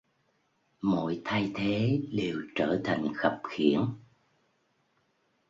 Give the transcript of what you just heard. Mọi thay thế đều trở thành khập khiễng